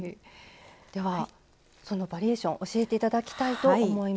ではそのバリエーション教えて頂きたいと思います。